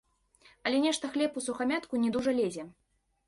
Але нешта хлеб усухамятку не дужа лезе.